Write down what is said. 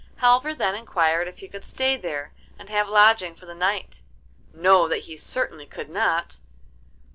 Halvor then inquired if he could stay there and have lodging for the night. No, that he certainly could not.